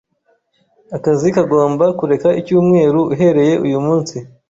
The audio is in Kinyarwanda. Akazi kagomba kureka icyumweru uhereye uyu munsi.